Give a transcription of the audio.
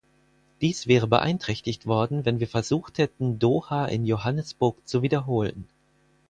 Dies wäre beeinträchtigt worden, wenn wir versucht hätten, Doha in Johannesburg zu wiederholen.